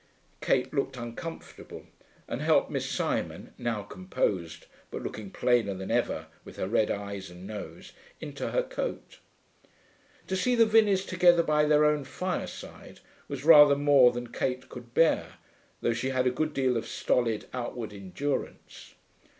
Kate looked uncomfortable, and helped Miss Simon (now composed, but looking plainer than ever with her red eyes and nose) into her coat. To see the Vinneys together by their own fire side was rather more than Kate could bear, though she had a good deal of stolid outward endurance.